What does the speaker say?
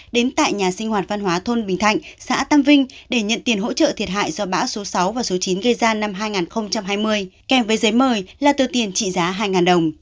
đến tại nhà sinh hoạt văn hóa thôn bình thạnh xã tam vinh để nhận tiền hỗ trợ thiệt hại do bão số sáu và số chín gây ra năm hai nghìn hai mươi kèm với giấy mời là tờ tiền trị giá hai đồng